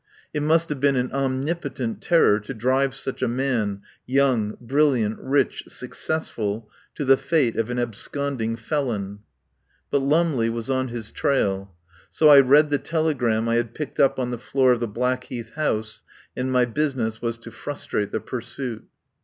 It must have been an omnipotent terror to drive such a man, young, brilliant, rich, successful, to the fate of an absconding felon. But Lumley was on his trail. So I read the telegram I had picked up on the floor of the Blackheath house, and my business was to frustrate the pursuit.